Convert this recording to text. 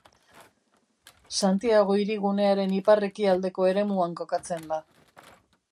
Santiago Hirigunearen ipar-ekialdeko eremuan kokatzen da.